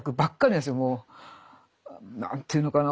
何て言うのかな